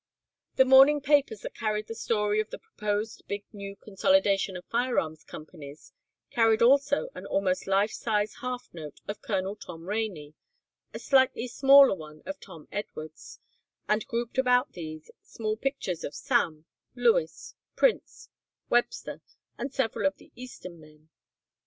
The morning papers that carried the story of the proposed big new consolidation of firearms companies carried also an almost life size halftone of Colonel Tom Rainey, a slightly smaller one of Tom Edwards, and grouped about these, small pictures of Sam, Lewis, Prince, Webster, and several of the eastern men.